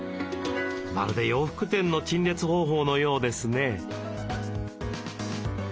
まるで洋服店の陳列方法のようですね。